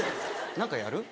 何かやる？